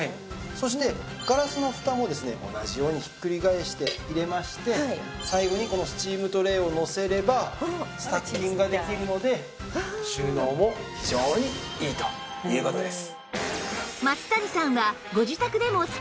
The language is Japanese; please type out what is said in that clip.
そしてガラスのふたをですね同じようにひっくり返して入れまして最後にこのスチームトレーをのせればスタッキングができるので収納も非常にいいという事です。